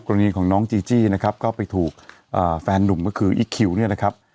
กรณีของน้องจีจี้นะครับก็ไปถูกแฟนนุ่มก็คืออีคคิวเนี่ยนะครับ